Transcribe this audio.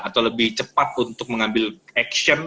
atau lebih cepat untuk mengambil action